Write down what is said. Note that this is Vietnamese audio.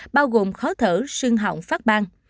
bao gồm khó thở sưng hỏng phát ban